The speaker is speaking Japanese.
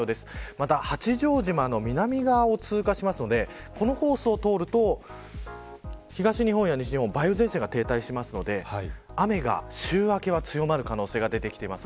また八丈島の南側を通過しますのでこのコースを通ると東日本、西日本梅雨前線が停滞するので雨が、週明けは強まる可能性が出てきています。